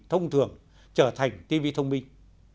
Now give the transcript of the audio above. thông thường trở thành tv thông minh